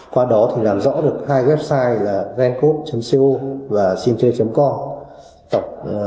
qua đó thì làm rõ được hai website là gancode co và simchay co